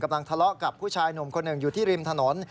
ทะเลาะกับผู้ชายหนุ่มคนหนึ่งอยู่ที่ริมถนน